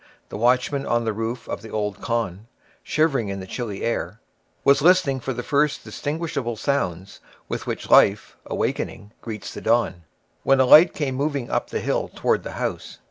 The watchman on the roof of the old khan, shivering in the chilly air, was listening for the first distinguishable sounds with which life, awakening, greets the dawn, when a light came moving up the hill towards the house.